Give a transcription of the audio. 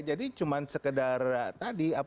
jadi cuman sekedar tadi